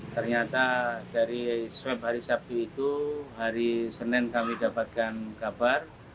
ternyata dari swab hari sabtu itu hari senin kami dapatkan kabar